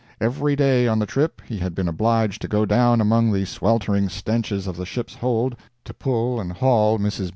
Every day on the trip, he had been obliged to go down among the sweltering stenches of the ship's hold, to pull and haul Mrs. B.'